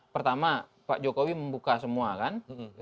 pertama pak jokowi membuka semua kan